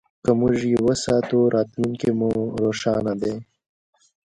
که موږ یې وساتو، راتلونکی مو روښانه دی.